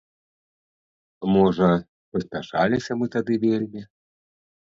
Можа, паспяшаліся мы тады вельмі.